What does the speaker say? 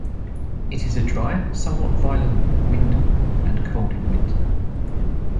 It is a dry, somewhat violent wind and cold in winter.